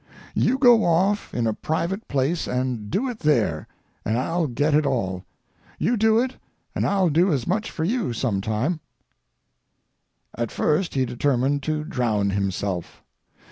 You go off in a private place and do it there, and I'll get it all. You do it, and I'll do as much for you some time." At first he determined to drown himself.